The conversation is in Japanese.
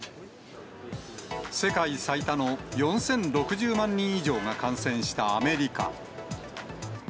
世界最多の４０６０万人以上が感染したアメリカ。